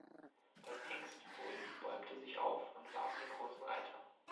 Das Hengstfohlen bäumte sich auf und warf den großen Reiter.